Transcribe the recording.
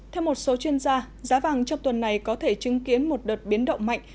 theo một số chuyên gia giá vàng trong tuần này có thể chứng kiến một đợt biến động mạnh